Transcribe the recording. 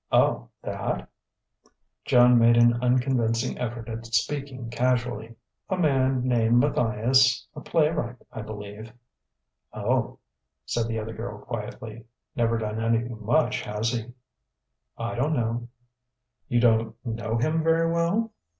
"Oh, that?" Joan made an unconvincing effort at speaking casually: "A man named Matthias a playwright, I believe." "Oh," said the other girl quietly. "Never done anything much, has he?" "I don't know." "You don't know him very well?"